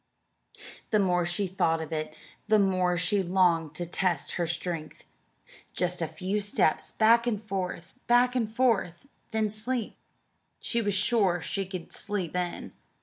The more she thought of it the more she longed to test her strength. Just a few steps back and forth, back and forth then sleep. She was sure she could sleep then.